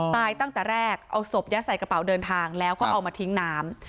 ตั้งแต่แรกเอาศพยัดใส่กระเป๋าเดินทางแล้วก็เอามาทิ้งน้ำ